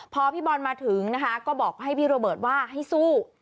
พอพี่บอลมาถึงนะคะก็บอกให้พี่โรเบิร์ตว่าให้สู้